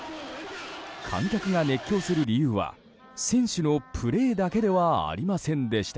観客が熱狂する理由は選手のプレーだけではありませんでした。